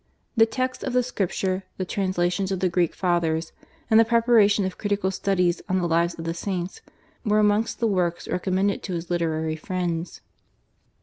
The texts of the Scripture, the translations of the Greek Fathers, and the preparation of critical studies on the Lives of the Saints were amongst the works recommended to his literary friends.